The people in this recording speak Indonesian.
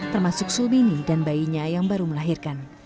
termasuk sulmini dan bayinya yang baru melahirkan